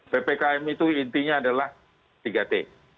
ppkm itu intinya adalah tiga t